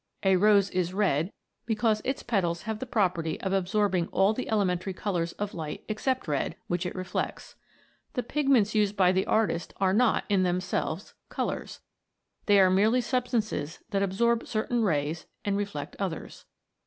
A rose is red because its petals have the property of absorbing all the elementary colours of light except red, which it reflects. The pigments used by the artist are not, in themselves, colours ; they are merely substances that absorb certain rays and reflect others.